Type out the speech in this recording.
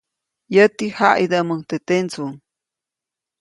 Yäti jaʼidäʼmuŋ teʼ tendsuŋ.